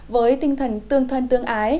với tinh thần tương thân tương ái